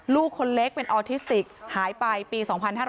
ลูกคนเล็กเป็นออทิสติกหายไปปี๒๕๕๙